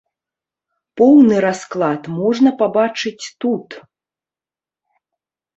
Поўны расклад можна пабачыць тут.